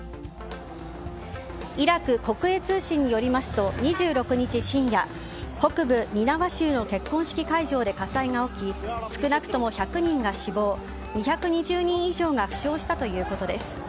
イラク国営通信によりますと２６日深夜北部ニナワ州の結婚式会場で火災が起き少なくとも１００人が死亡２２０人以上が負傷したということです。